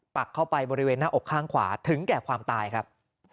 ปักเข้าไปบริเวณหน้าอกข้างขวาถึงแก่ความตายครับ